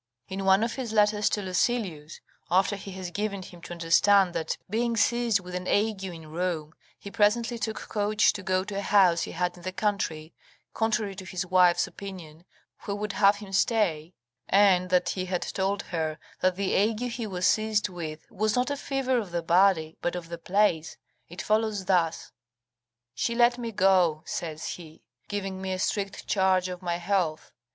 In one of his letters to Lucilius, after he has given him to understand that, being seized with an ague in Rome, he presently took coach to go to a house he had in the country, contrary to his wife's opinion, who would have him stay, and that he had told her that the ague he was seized with was not a fever of the body but of the place, it follows thus: "She let me go," says he, "giving me a strict charge of my health.